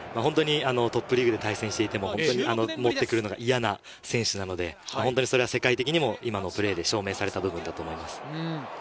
トップリーグで対戦していても、持ってくるのが嫌な選手なので、本当に世界的にも今のプレーで証明された部分だと思います。